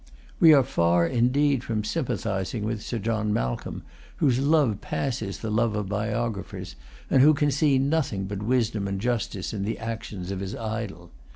We are far indeed from sympathising with Sir John Malcolm, whose love passes the love of biographers, and who can see nothing but wisdom and justice in the actions of his idol.